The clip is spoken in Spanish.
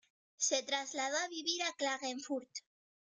Se trasladó a vivir a Klagenfurt.